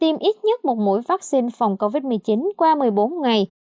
đã tiêm ít nhất một mũi vắc xin phòng covid một mươi chín qua một mươi bốn ngày